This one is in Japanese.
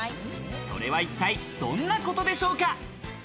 それは一体どんなことでしょうか？